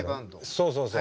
そうそうそう。